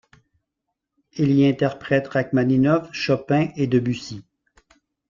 Il y interprète Rachmaninov, Chopin et Debussy.